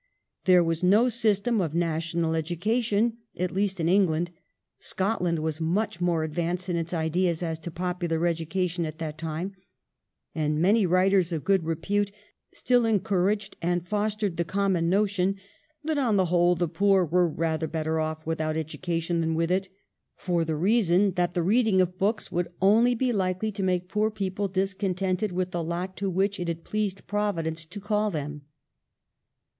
There was no system of national edu cation, at least in England — Scotland was much more advanced in its ideas as to popular education at that time — and many writers of good repute still en couraged and fostered the common notion that, on the whole, the poor were rather better off without education than with it, for the reason that the D D 2 404 THE REIGN OF QUEEN ANNE. ch. xl. reading of books would only be likely to make poor people discontented with the lot to which it had pleased Providence to call them.